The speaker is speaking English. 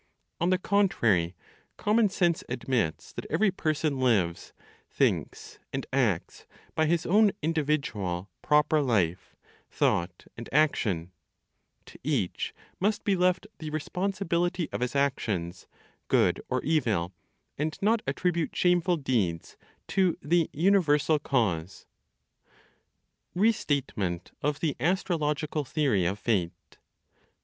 On the contrary, common sense admits that every person lives, thinks, and acts by his own individual, proper life, thought and action; to each must be left the responsibility of his actions, good or evil, and not attribute shameful deeds to the universal cause. RESTATEMENT OF THE ASTROLOGICAL THEORY OF FATE.